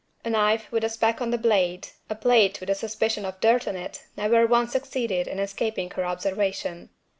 A knife with a speck on the blade, a plate with a suspicion of dirt on it, never once succeeded in escaping her observation.